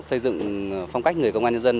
xây dựng phong cách người công an nhân dân